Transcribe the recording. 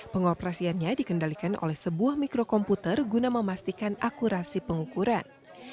pengoperasiannya dikendalikan oleh sebuah mikrokomputer guna memastikan akurasi pengukuran